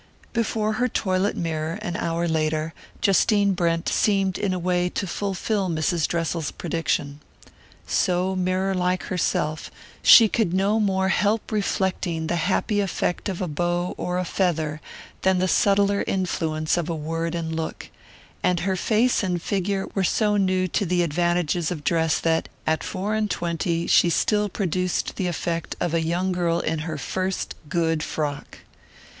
Before her toilet mirror, an hour later, Justine Brent seemed in a way to fulfill Mrs. Dressel's prediction. So mirror like herself, she could no more help reflecting the happy effect of a bow or a feather than the subtler influence of word and look; and her face and figure were so new to the advantages of dress that, at four and twenty, she still produced the effect of a young girl in her first "good" frock.